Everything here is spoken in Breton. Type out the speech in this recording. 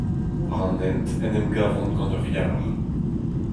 War an hent en em gavont gant ur yar…